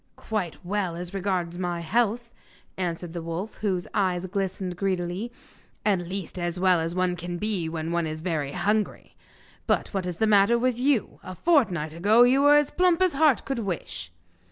'Quite well as regards my health,' answered the wolf, whose eye glistened greedily, 'at least, as well as one can be when one is very hungry. But what is the matter with you? A fortnight ago you were as plump as heart could wish!